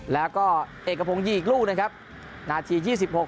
แล้วก็เอกพงศ์ยิงอีกลูกนะครับนาที๒๖